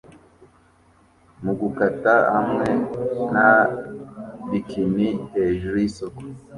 mugukata hamwe na bikini hejuru yisoko